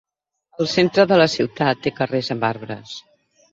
El centre de la ciutat té carrers amb arbres.